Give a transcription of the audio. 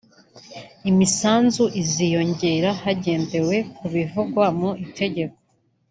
imisanzu iziyongera hagendewe ku bivugwa mu Itegeko